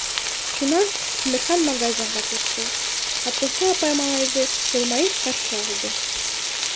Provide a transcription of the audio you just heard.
Шунан Тимерхан магазинға китте. һатыусы апай малайҙы йылмайып ҡаршы алды: